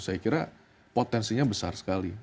saya kira potensinya besar sekali